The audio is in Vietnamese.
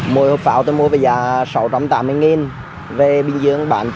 mua hộp pháo tôi mua về giá sáu trăm tám mươi nghìn về bình dương bán chín trăm linh